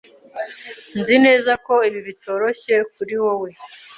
Nzi neza ko ibi bitoroshye kuri wewe.